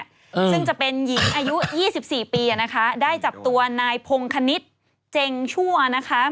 ซึ่งจะเป็นหญิงอายุ๒๔ปีนะคะได้จับตัวนายพงคณิตเจ็งชั่วนะคะ